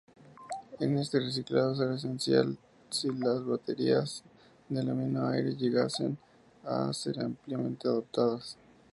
Este reciclado sería esencial si las baterías de aluminio-aire llegasen a ser ampliamente adoptadas.